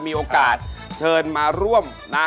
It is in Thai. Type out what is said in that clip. มีโอกาสเชิญมาร่วมนะ